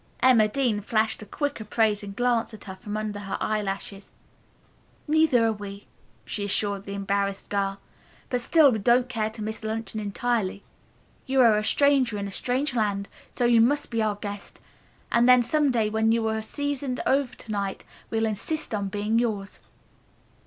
Emma Dean flashed a quick, appraising glance at her from under her eyelashes. "Neither are we," she assured the embarrassed girl, "but still we don't care to miss luncheon entirely. You are a stranger in a strange land, so you must be our guest, and then some day when you are a seasoned Overtonite we'll insist on being yours."